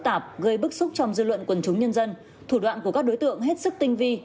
tạp gây bức xúc trong dư luận quần chúng nhân dân thủ đoạn của các đối tượng hết sức tinh vi